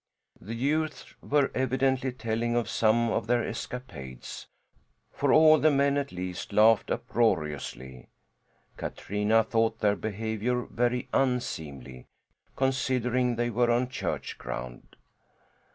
The youths were evidently telling of some of their escapades, for all the men, at least, laughed uproariously. Katrina thought their behaviour very unseemly, considering they were on church ground.